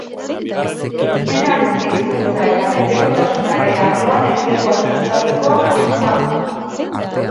Ekimenak hezkuntza eta menpekotasunaren arloan enplegua sustatzeko asmoa du.